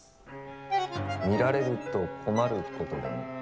見られると困ることでも？